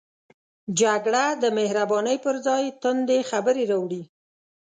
جګړه د مهربانۍ پر ځای توندې خبرې راوړي